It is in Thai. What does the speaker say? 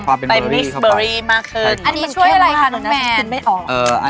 ความเป็นเบอร์รี่เข้าไปอันนี้ช่วยอะไรคะน้องแมน